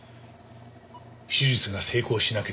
手術が成功しなければ今頃は。